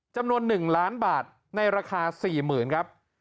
จำนวน๑ล้านบาทในราคา๔๐๐๐ครับ